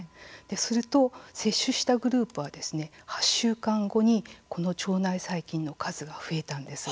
すると、摂取したグループは８週間後にこの腸内細菌の数が増えたんです。